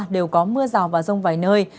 đều có mưa rào và rông vài nơi